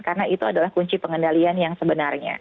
karena itu adalah kunci pengendalian yang sebenarnya